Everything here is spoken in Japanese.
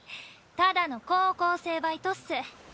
ただの高校生バイトっす。